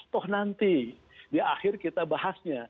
toh nanti di akhir kita bahasnya